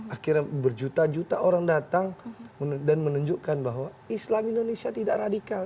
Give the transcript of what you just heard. akhirnya berjuta juta orang datang dan menunjukkan bahwa islam indonesia tidak radikal